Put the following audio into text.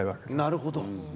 なるほど。